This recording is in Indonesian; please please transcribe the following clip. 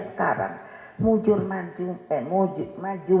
sekarang mujur maju